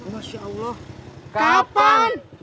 masya allah kapan